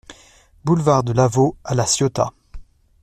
Boulevard de Lavaux à La Ciotat